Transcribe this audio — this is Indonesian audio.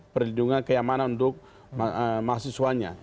perlindungan keamanan untuk mahasiswanya